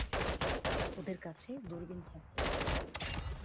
ওদের কাছে দুরবিন থাকবে।